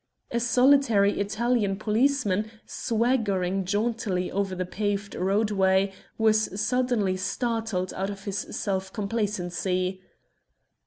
A solitary Italian policeman, swaggering jauntily over the paved roadway, was suddenly startled out of his self complacency.